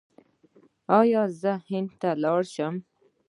ایا زه هند ته لاړ شم؟